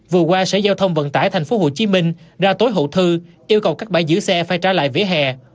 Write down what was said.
vừa qua xe giao thông vận tải thành phố hồ chí minh ra tối hậu thư yêu cầu các bãi dứa xe phải trả lại vế hè